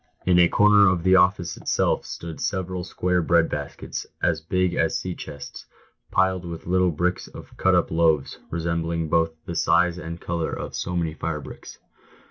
In a corner of the office itself stood several]square bread baskets, as big as sea chests, piled with little blocks of cut up loaves, resembling both in size and colour so many fire bricks.